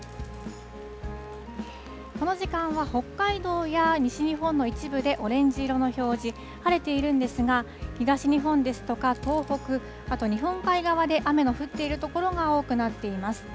この時間は、北海道や西日本の一部でオレンジ色の表示、晴れているんですが、東日本ですとか東北、あと日本海側で雨の降っている所が多くなっています。